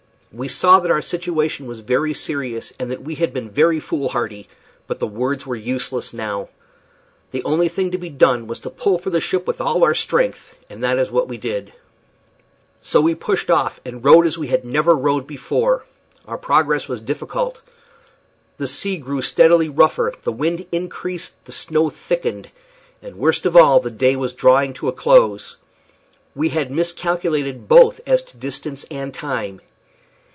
We saw that our situation was very serious, and that we had been very foolhardy; but the words were useless now. The only thing to be done was to pull for the ship with all our strength, and that was what we did. So we pushed off, and rowed as we had never rowed before. Our progress was difficult. The sea grew steadily rougher; the wind increased; the snow thickened; and, worst of all, the day was drawing to a close. We had miscalculated both as to distance and time.